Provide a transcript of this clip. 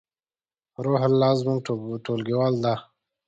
روح الله زمونږ ټولګیوال ده